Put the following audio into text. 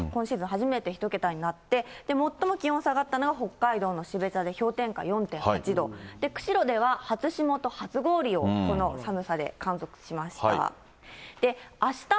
初めて１桁になって、最も気温下がったのが、北海道の標茶で氷点下４．８度、釧路では初霜と初氷をこの寒さで観測しました。